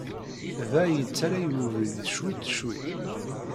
Da, yettaley webrid cwiṭ, cwiṭ.